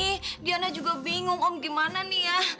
ini diana juga bingung om gimana nih ya